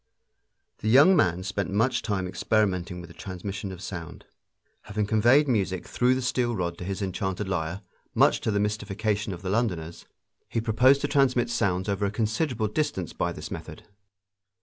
The young man spent much time experimenting with the transmission of sound. Having conveyed music through the steel rod to his enchanted lyre, much to the mystification of the Londoners, he proposed to transmit sounds over a considerable distance by this method.